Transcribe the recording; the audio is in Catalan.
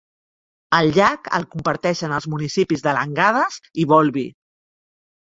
El llac el comparteixen els municipis de Langadas i Volvi.